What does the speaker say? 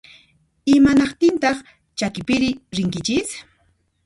Imanaqtintaq chakipiri rinkichis?